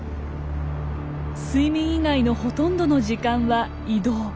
睡眠以外のほとんどの時間は移動。